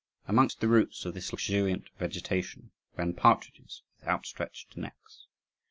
Amongst the roots of this luxuriant vegetation ran partridges with outstretched necks.